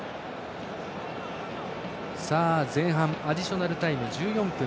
前半アディショナルタイム１４分。